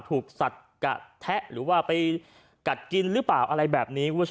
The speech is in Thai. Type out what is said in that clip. ถูกสัดกะแทะหรือว่าไปกัดกินหรือเปล่าอะไรแบบนี้